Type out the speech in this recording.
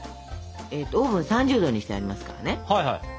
オーブン３０℃にしてありますからね。